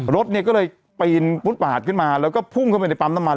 รถก็เลยก็เลยปีนปู๊ตบ่าดขึ้นมาแล้วก็พุ่งเข้าไปในปั๊มตามัน